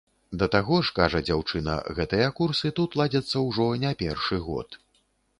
Да таго ж, кажа дзяўчына, гэтыя курсы тут ладзяцца ўжо не першы год.